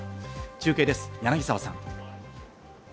中継です、柳沢さん。